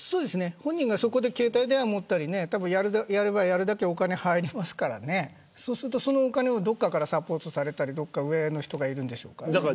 本人が携帯電話を持ったりしてやればやるだけお金が入りますからそのお金をどこかからサポートされたり上の人もいるでしょうから。